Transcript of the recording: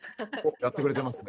やってくれてますね。